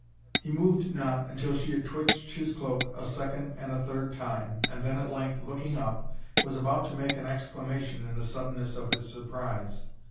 He moved not until she had twitched his cloak a second and a third time, and then at length looking up, was about to make an exclamation in the suddenness of his surprise.